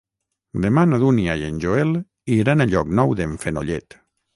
Demà na Dúnia i en Joel iran a Llocnou d'en Fenollet.